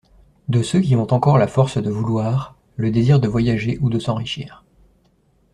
De ceux qui ont encore la force de vouloir, le désir de voyager ou de s’enrichir .